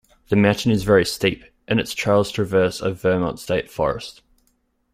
The mountain is very steep, and its trails traverse a Vermont state forest.